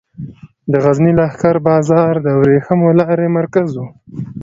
د غزني لښکر بازار د ورېښمو لارې مرکز و